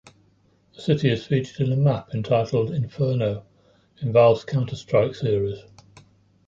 The city is featured in a map entitled "Inferno" in Valve's Counter-Strike series.